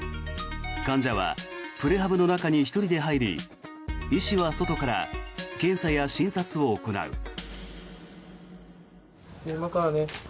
患者はプレハブの中に１人で入り医師は外から検査や診察を行う。